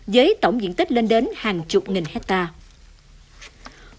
với tổng diện tích lên đến hàng chục nghìn hectare